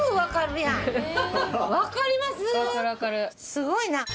すごいな。